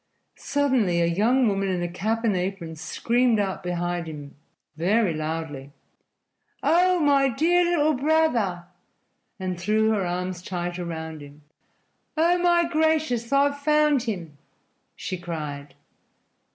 Suddenly a young woman in a cap and apron screamed out behind him very loudly: "Oh, my dear little brother!" and threw her arms tight around him. "Oh, my gracious, I've found him!" she cried.